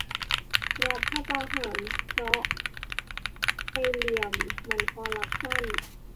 รัฐประหารเพราะไอ้เหลี่ยมมันคอรัปชั่น !